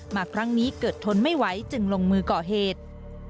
มาครั้งนี้เกิดทนไม่ไหวจึงลงมือก่อเหตุ